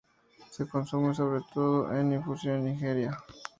Se consume sobre todo en infusión ligera.